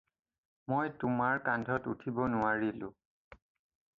মই তোমাৰ কান্ধত উঠিব নোৱাৰিলোঁ।